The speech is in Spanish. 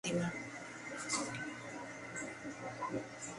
Si sólo se hubiesen contabilizado los votos de los jurados, habría sido última.